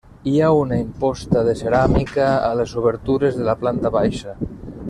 Hi ha una imposta de ceràmica a les obertures de la planta baixa.